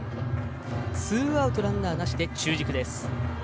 ツーアウトランナーなしで中軸です。